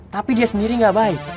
tapi dia sendiri gak baik